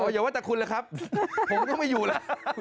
อย่าว่าแต่คุณล่ะครับผมก็ไม่อยู่แล้ว